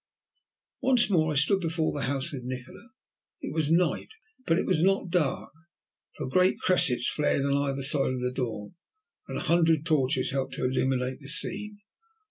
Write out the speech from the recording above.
Once more I stood before the house with Nikola. It was night, but it was not dark, for great cressets flared on either side of the door, and a hundred torches helped to illuminate the scene.